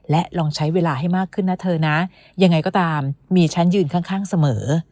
และลองใช้เวลาให้มากขึ้นนะเธอนะยังไงก็ตามมีฉันยืนข้างเสมอ